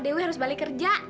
dewi harus balik kerja